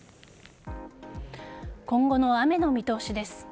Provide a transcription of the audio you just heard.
今後の雨の見通しです。